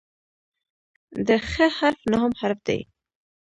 د "خ" حرف نهم حرف دی.